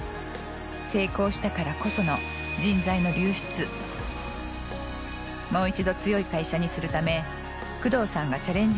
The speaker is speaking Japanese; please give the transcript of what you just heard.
成功したからこそのもう一度強い会社にするため工藤さんがチャレンジ